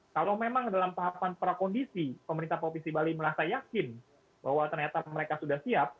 kalau memang dalam tahapan prakondisi pemerintah provinsi bali merasa yakin bahwa ternyata mereka sudah siap